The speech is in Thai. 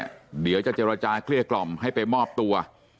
ก็เดี๋ยวจะจะราจาเครื่องกล่อมให้ไปมอบตัว